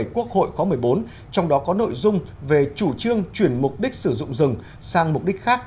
quốc hội khóa một mươi bốn trong đó có nội dung về chủ trương chuyển mục đích sử dụng rừng sang mục đích khác